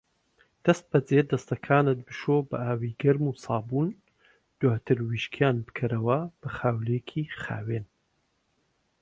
دەستبەجی دەستەکانت بشۆ بە ئاوی گەرم و سابوون، دواتر وشکیان بکەرەوە بە خاولیەکی خاوین.